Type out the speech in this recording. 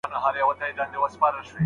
اوس به ځي په سمندر کی به ډوبیږي